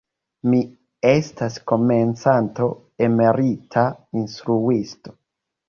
Mi estas komencanto, emerita instruisto.